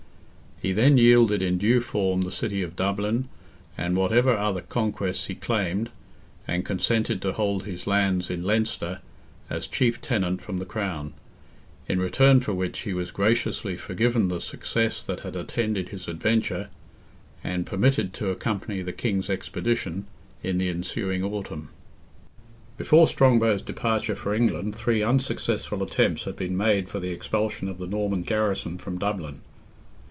He then yielded in due form the city of Dublin, and whatever other conquests he claimed, and consented to hold his lands in Leinster, as chief tenant from the crown: in return for which he was graciously forgiven the success that had attended his adventure, and permitted to accompany the King's expedition, in the ensuing autumn. Before Strongbow's departure for England three unsuccessful attempts had been made for the expulsion of the Norman garrison from Dublin.